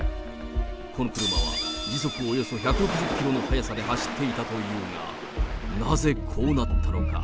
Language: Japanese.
この車は時速およそ１６０キロの速さで走っていたというが、なぜこうなったのか。